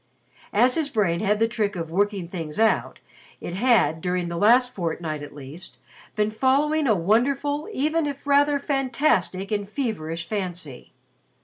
As his brain had the trick of "working things out," it had, during the last fortnight at least, been following a wonderful even if rather fantastic and feverish fancy.